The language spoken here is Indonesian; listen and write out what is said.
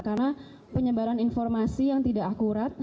karena penyebaran informasi yang tidak akurat